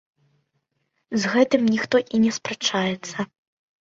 З гэтым ніхто і не спрачаецца.